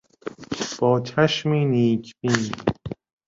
با چشمی نیک بین